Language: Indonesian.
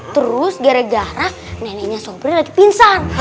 terus gara gara neneknya sobri lagi pingsan